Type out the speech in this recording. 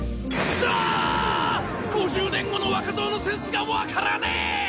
だ‼５０年後の若造のセンスが分からねえ！